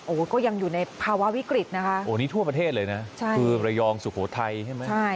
โอ้โหก็ยังอยู่ในภาวะวิกฤตนะคะโอ้นี่ทั่วประเทศเลยนะใช่คือระยองสุโขทัยใช่ไหมใช่